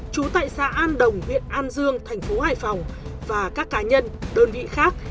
trú tại xã an đồng huyện an dương thành phố hải phòng và các cá nhân đơn vị khác